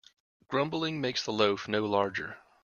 Grumbling makes the loaf no larger.